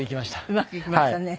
うまくいきましたね。